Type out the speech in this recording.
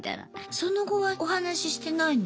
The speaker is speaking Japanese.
その後はお話ししてないの？